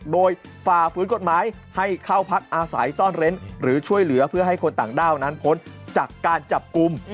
โดยฝ่าฝืนกฎหมายให้เข้าพักอาศัยซ่อนเร้นหรือช่วยเหลือเพื่อให้คนต่างด้าวนั้นพ้นจากการจับกลุ่ม